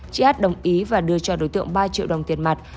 chị hát đồng ý và đưa cho đối tượng ba triệu đồng tiền mặt